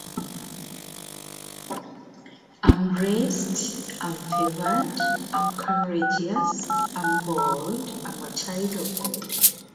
The specific epithet ("decurrens") refers to the decurrent leaves.